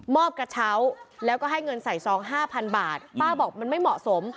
อบกระเช้าแล้วก็ให้เงินใส่ซองห้าพันบาทป้าบอกมันไม่เหมาะสม